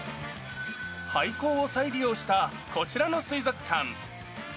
廃校を再利用したこちらの水族館。